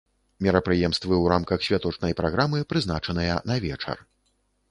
Мерапрыемствы ў рамках святочнай праграмы прызначаныя на вечар.